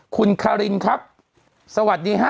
คุณคารินครับสวัสดีฮะ